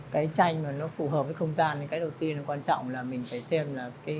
cái tranh mà nó phù hợp với không gian thì cái đầu tiên là quan trọng là mình phải xem là cái